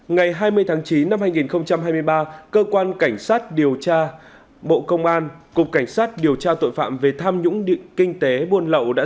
ngày hai mươi tháng chín năm hai nghìn hai mươi ba cơ quan cảnh sát điều tra bộ công an cục cảnh sát điều tra tội phạm về tham nhũng kinh tế buôn lậu